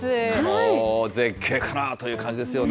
もう絶景かなという感じですよね。